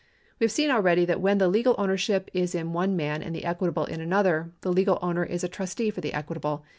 We have seen already that when the legal ownership is in one man and the equitable in another, the legal owner is a trustee for the equitable.